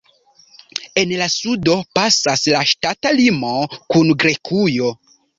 En la sudo pasas la ŝtata limo kun Grekujo (Grekio).